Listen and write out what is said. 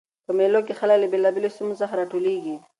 په مېلو کښي خلک له بېلابېلو سیمو څخه راټولیږي.